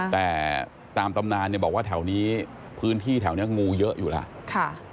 แต่ตามตำนานเนี่ยบอกว่าแถวนี้พื้นที่แถวนี้งูเยอะอยู่แล้ว